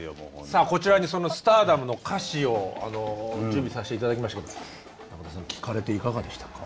さあこちらにその「Ｓｔａｒｄｏｍ」の歌詞を準備させて頂きましたけど中澤さん聴かれていかがでしたか？